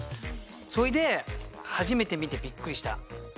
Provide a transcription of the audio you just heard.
そいで初めて見てびっくりした「つらら」。